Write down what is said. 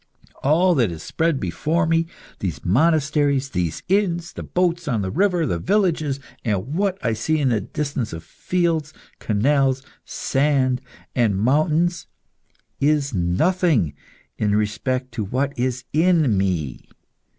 All that is spread before me these monasteries, these inns, the boats on the river, the villages, and what I see in the distance of fields, canals, sand, and mountains is nothing in respect to what is in me.